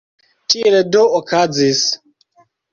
Tiel do okazis.